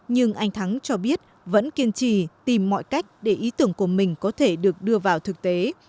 nhưng anh thắng cho biết vẫn kiên trì tìm mọi cách để ý tưởng của mình có thể được đưa vào thực tế